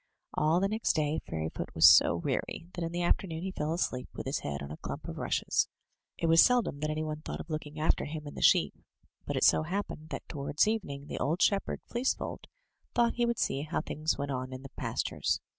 All the next day Fairyfoot was so weary that in the after noon he fell asleep, with his head on a clump of rushes. It was seldom that any one thought of looking after him and the sheep; but it so happened that towards evening the old shepherd, Fleecefold, thought he would see how things went on in the pastures.